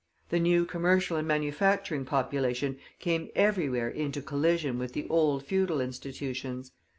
The new commercial and manufacturing population came everywhere into collision with the old feudal institutions.